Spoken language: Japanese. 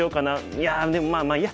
いやでもまあまあいいや。